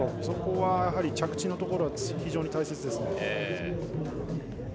そこはやはり着地のところは非常に大切ですね。